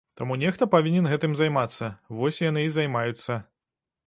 Таму нехта павінен гэтым займацца, вось яны і займаюцца.